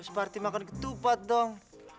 seperti makan ketupat dong